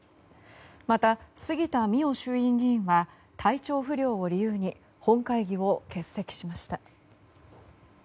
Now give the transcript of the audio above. また、杉田水脈衆院議員は体調不良を理由に本会議を欠席しました。